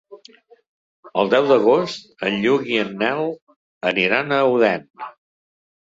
El deu d'agost en Lluc i en Nel aniran a Odèn.